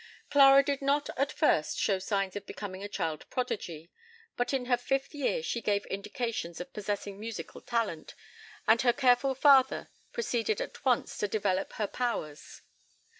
Clara did not at first show signs of becoming a child prodigy, but in her fifth year she gave indications of possessing musical talent, and her careful father proceeded at once to develop her powers.